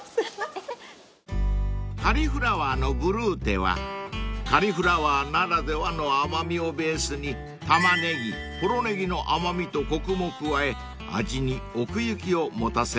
［カリフラワーのヴルーテはカリフラワーならではの甘味をベースにタマネギポロネギの甘味とコクも加え味に奥行きを持たせました］